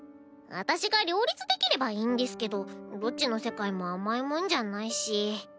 私が両立できればいいんですけどどっちの世界も甘いもんじゃないし。